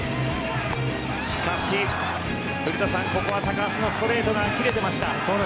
しかし、古田さん、ここは高橋のストレートが切れてました。